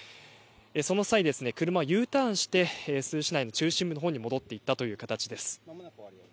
その際ですね車Ｕターンして珠洲市内の中心部に戻っていったという感じです。